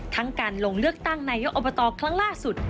ทั้งการลงเลือกตั้งนายกอบตครั้งล่าสุด